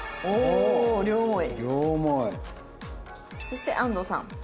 そして安藤さん。